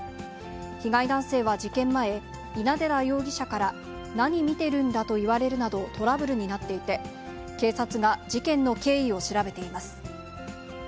被害男性は事件前、稲寺容疑者から、何見てるんだと言われるなどトラブルになっていて、警察が事件の経緯を調べています。